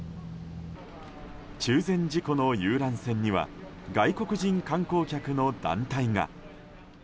中禅寺湖の遊覧船には外国人観光客の団体が。